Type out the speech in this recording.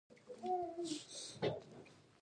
هغه غواړي له اومو موادو څخه توکي تولید کړي